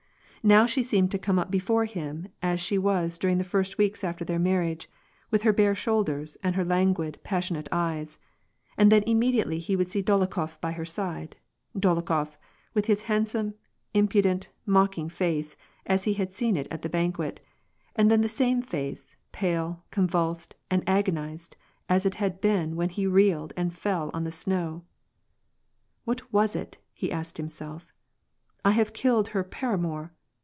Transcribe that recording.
Now she seemed to come up before him as she was during the first weeks after their marriage, with her bare shoulders, and her languid, passionate eyes ; and then immediately he would see Dolokhof by her side — Dolokhof, with his handsome, impudent, mocking face, as he had seen it at the banquet, and then the same face, pale, convulsed, and agonized, as it had been when he reeled and fell on the snow. "What was it?" he asked himself. "I have killed her pnramour